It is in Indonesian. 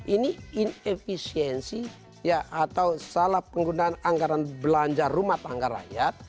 ini inefisiensi atau salah penggunaan anggaran belanja rumah tangga rakyat